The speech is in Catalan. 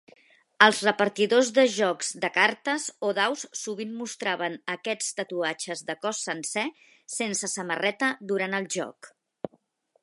Els repartidors de jocs de cartes o daus sovint mostraven aquests tatuatges de cos sencer sense samarreta durant el joc.